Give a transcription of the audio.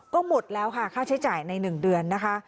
ก็หมดแล้วค่ะค่าใช้จ่ายใน๑เดือนนะคะ